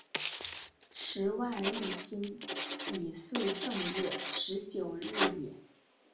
时万历辛己岁正月十九日也。